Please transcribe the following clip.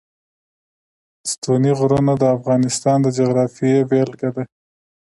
ستوني غرونه د افغانستان د جغرافیې بېلګه ده.